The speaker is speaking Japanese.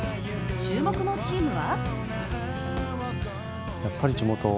注目のチームは？